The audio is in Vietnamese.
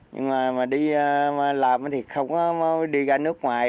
nhưng mà đi làm thì không có đi ra nước ngoài